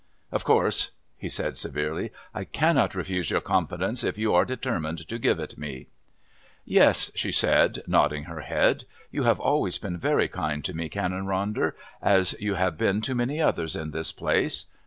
"Of course," he said severely, "I cannot refuse your confidence if you are determined to give it me." "Yes," she said, nodding her head. "You have always been very kind to me, Canon Ronder, as you have been to many others in this place.